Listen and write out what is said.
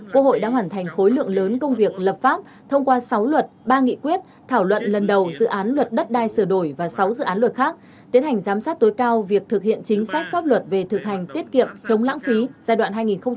quốc hội đã hoàn thành khối lượng lớn công việc lập pháp thông qua sáu luật ba nghị quyết thảo luận lần đầu dự án luật đất đai sửa đổi và sáu dự án luật khác tiến hành giám sát tối cao việc thực hiện chính sách pháp luật về thực hành tiết kiệm chống lãng phí giai đoạn hai nghìn một mươi sáu hai nghìn hai mươi